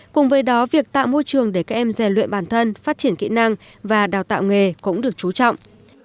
cùng với đó việc tạo môi trường để các em rèn luyện bản thân phát triển kỹ năng và đào tạo nghề cũng được trú trọng